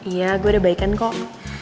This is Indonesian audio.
iya gue ada baikan kok